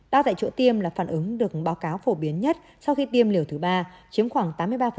đo tại chỗ tiêm là phản ứng được báo cáo phổ biến nhất sau khi tiêm liều thứ ba chiếm khoảng tám mươi ba